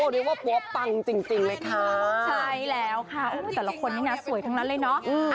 เรียกว่าปั๊วปังจริงเลยค่ะใช่แล้วค่ะแต่ละคนนี้นะสวยทั้งนั้นเลยเนาะ